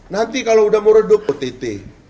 nanti kalau udah mureduk ott